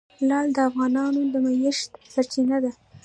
لعل د افغانانو د معیشت سرچینه ده.